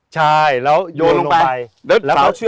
ใช่แล้วโยนลงไป